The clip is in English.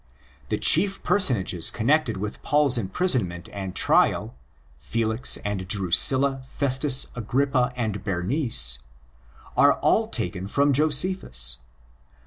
The chief personages con nected with Paul's imprisonment and trial—Felix and Drusilla, Festus, Agrippa and Berenice—are all taken from Josephus.